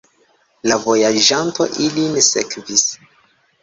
La vojaĝanto ilin sekvis.